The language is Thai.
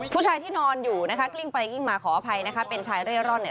ผู้ชายที่นอนอยู่นะคะกลิ้งไปกลิ้งมาขออภัยนะคะเป็นชายเร่ร่อนเนี่ย